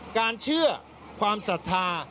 การเชื่อความศรัทธา